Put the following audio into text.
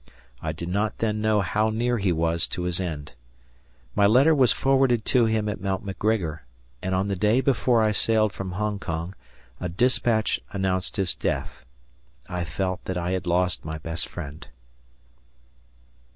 I did not then know how near he was to his end. My letter was forwarded to him at Mount McGregor, and on the day before I sailed from Hong Kong a dispatch announced his death. I felt that I had lost my best friend.